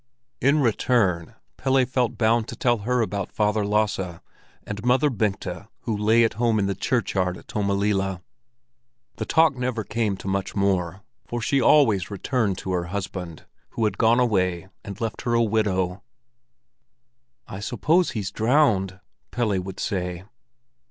In return Pelle felt bound to tell her about Father Lasse, and Mother Bengta who lay at home in the churchyard at Tommelilla. The talk never came to much more, for she always returned to her husband who had gone away and left her a widow. "I suppose he's drowned," Pelle would say.